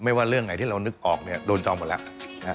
ไม่ว่าเรื่องไหนที่เรานึกออกโดนจองหมดแล้ว